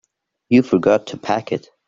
You forgot to pack it.